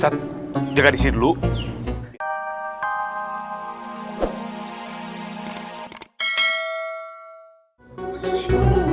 barusan ga ada star musen